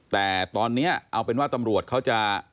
แต่ตอนนี้เอาเป็นว่าตำรวจเขาจะ